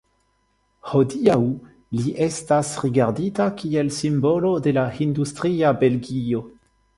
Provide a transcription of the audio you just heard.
Hodiaŭ li estas rigardita kiel simbolo de la industria Belgio.